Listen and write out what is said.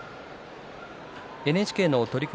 ＮＨＫの取組